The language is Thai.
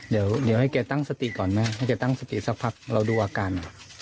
เดี๋ยวให้แกตั้งสติก่อนไหมให้แกตั้งสติสักพักเราดูอาการ